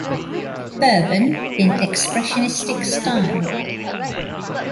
Berben in expressionistic style.